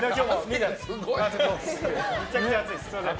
むちゃくちゃ暑いです。